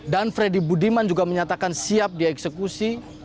dan freddy budiman juga menyatakan siap dieksekusi